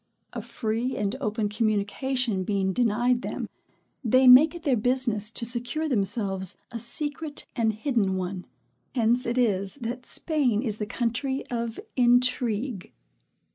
A free and open communication being denied them, they make it their business to secure themselves a secret and hidden one. Hence it is that Spain is the country of intrigue.